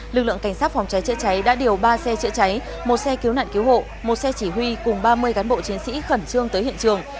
lực lượng cảnh sát phòng cháy chữa cháy đã điều ba xe chữa cháy một xe cứu nạn cứu hộ một xe chỉ huy cùng ba mươi cán bộ chiến sĩ khẩn trương tới hiện trường